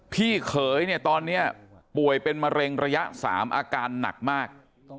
พี่เขยเนี่ยตอนนี้ป่วยเป็นมะเร็งระยะ๓อาการหนักมาก